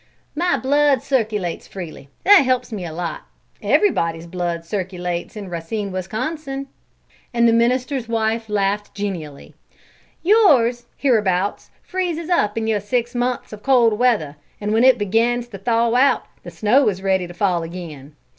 "My blood circulates freely; that helps me a lot. Everybody's blood circulates in Racine, Wisconsin." And the minister's wife laughed genially. "Yours, hereabouts, freezes up in your six months of cold weather, and when it begins to thaw out the snow is ready to fall again.